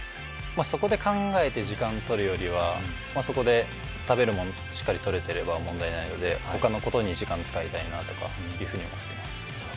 そこで考えて時間をとるよりは、そこで食べるものしっかり取れていれば問題ないので他のことに時間使いたいなとかいうふうに思っています。